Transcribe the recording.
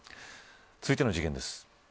続いての事件です。